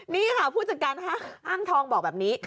นี่ค่ะผู้จัดการห้างทองบอกแบบนี้